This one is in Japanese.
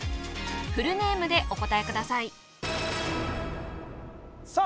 フルネームでお答えくださいさあ